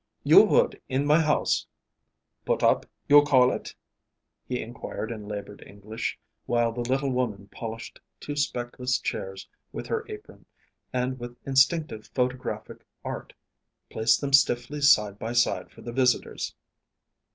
"You would in my house put up, you call it?" he inquired in labored English, while the little woman polished two speckless chairs with her apron, and with instinctive photographic art placed them stiffly side by side for the visitors.